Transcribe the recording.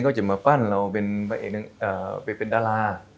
ก็จะมาปั้นเราเป็นดารา